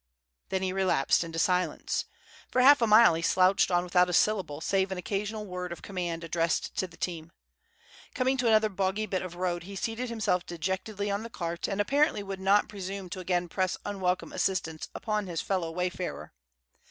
Then he relapsed into silence. For half a mile he slouched on without a syllable, save an occasional word of command addressed to the team. Coming to another boggy bit of road, he seated himself dejectedly on the cart, and apparently would not presume to again press unwelcome assistance upon his fellow way farer.